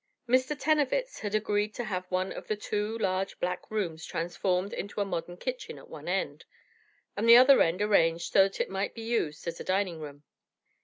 Mr. Tenowitz had agreed to have one of the two large back rooms transformed into a modern kitchen at one end, and the other end arranged so that it might be used as a dining room.